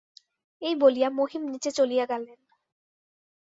এই বলিয়া মহিম নীচে চলিয়া গেলেন।